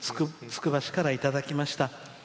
つくば市からいただきました。